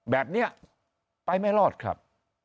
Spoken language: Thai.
แบบนี้ไปไม่รอดครับ